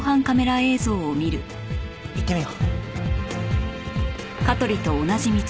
行ってみよう。